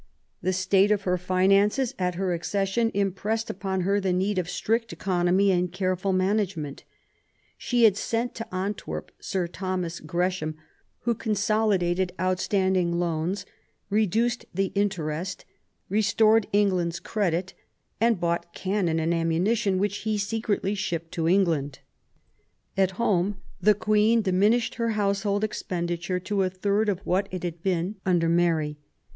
The state of her finances at her accession impressed upon her the need of strict economy and careful management. She had sent to Antwerp Sir Thomas Gresham, who consolidated outstanding loans, reduced the interest, restored PROBLEMS OF THE REIGN, 63 England's credit, and bought cannon and ammuni tion, ^which he secretly shipped to England. At home, the Queen diminished her household expenditure to a third of what it had been under Mary.